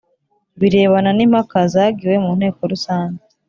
birebana n impaka zagiwe mu Nteko Rusange